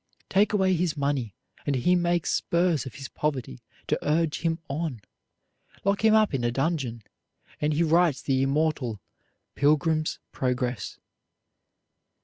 Take away his money, and he makes spurs of his poverty to urge him on. Lock him up in a dungeon, and he writes the immortal "Pilgrim's Progress."